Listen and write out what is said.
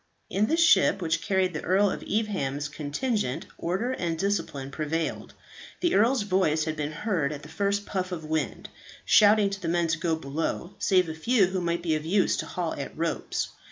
In the ship which carried the Earl of Evesham's contingent, order and discipline prevailed. The earl's voice had been heard at the first puff of wind, shouting to the men to go below, save a few who might be of use to haul at ropes.